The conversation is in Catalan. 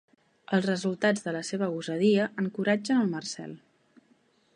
Els resultats de la seva gosadia encoratgen el Marcel.